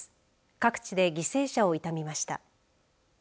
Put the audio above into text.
各地で犠牲者を悼みました。